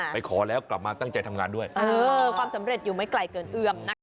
ขอแล้วกลับมาตั้งใจทำงานด้วยเออความสำเร็จอยู่ไม่ไกลเกินเอื้อมนะคะ